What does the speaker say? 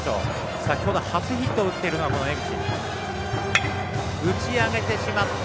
先ほど、初ヒットを打っているのは、この江口。